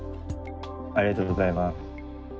ありがとうございます。